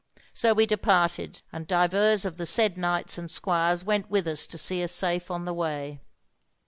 So we departed, and divers of the said knights and squires went with us to see us safe on the way.